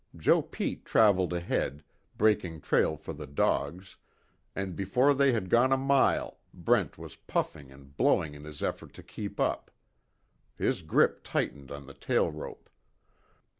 Joe Pete traveled ahead, breaking trail for the dogs, and before they had gone a mile Brent was puffing and blowing in his effort to keep up. His grip tightened on the tail rope.